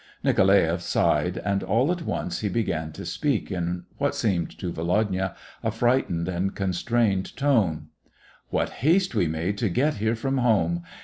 Nikolaeff sighed, and all at once he began to speak, in what seemed to Volodya a frightened and constrained tone. " What haste we made to get here from home.